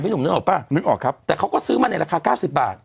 หนุ่มนึกออกป่ะนึกออกครับแต่เขาก็ซื้อมาในราคาเก้าสิบบาท